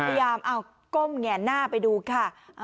พยายามเอาก้มแง่นหน้าไปดูค่ะ